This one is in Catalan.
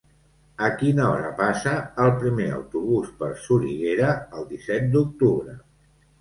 A quina hora passa el primer autobús per Soriguera el disset d'octubre?